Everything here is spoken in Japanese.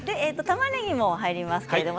たまねぎも入ります。